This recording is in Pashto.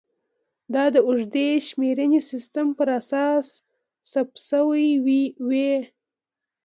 دا د اوږدې شمېرنې سیستم پر اساس ثبت شوې وې